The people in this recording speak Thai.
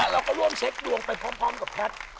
เราก็ร่วมเช็คดวงไปพร้อมกับแพทย์